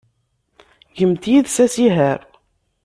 Gemt yid-s asihaṛ.